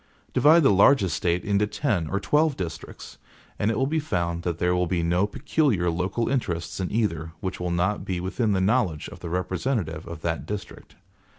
Divide the largest State into ten or twelve districts, and it will be found that there will be no peculiar local interests in either, which will not be within the knowledge of the representative of the district.